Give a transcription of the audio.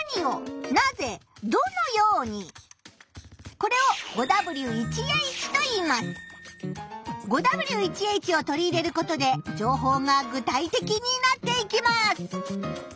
これを５Ｗ１Ｈを取り入れることで情報が具体的になっていきます。